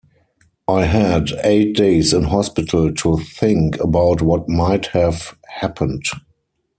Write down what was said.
I had eight days in hospital to think about what might have happened.